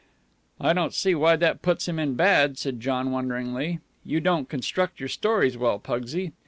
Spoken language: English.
"I don't see why that puts him in bad," said John wonderingly. "You don't construct your stories well, Pugsy.